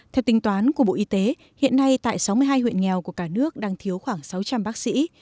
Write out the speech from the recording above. theo tính toán của bộ y tế hiện nay tại sáu mươi hai huyện nghèo của cả nước đang thiếu khoảng sáu trăm linh bác sĩ